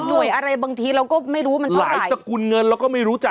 อะไรบางทีเราก็ไม่รู้มันเท่าไหร่สกุลเงินเราก็ไม่รู้จัก